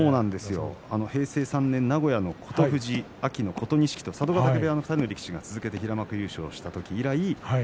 平成３年名古屋の琴富士、琴錦と佐渡ヶ嶽部屋の力士が続けて平幕優勝した時以来。